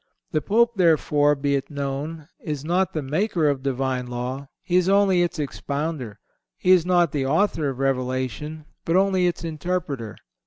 The Pope, therefore, be it known, is not the maker of the Divine law; he is only its expounder. He is not the author of revelation, but only its interpreter.